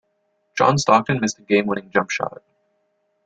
John Stockton missed a game-winning jump shot.